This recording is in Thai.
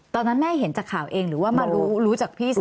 ตอนนั้นแม่เห็นจากข่าวเองหรือว่ามารู้จากพี่สาว